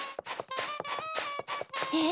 えっ？